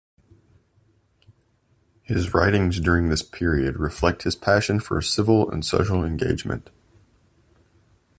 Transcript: His writings during this period reflect his passion for civic and social engagement.